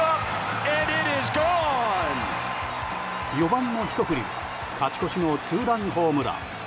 ４番のひと振りは勝ち越しのツーランホームラン。